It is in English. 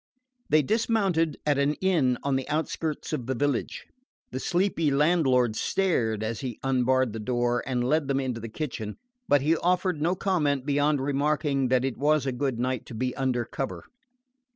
They dismounted at an inn on the outskirts of the village. The sleepy landlord stared as he unbarred the door and led them into the kitchen; but he offered no comment beyond remarking that it was a good night to be under cover.